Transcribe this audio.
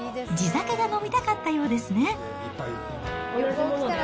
地酒が飲みたかったようですね。